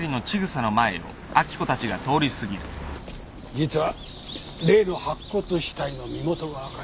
実は例の白骨死体の身元が分かりました。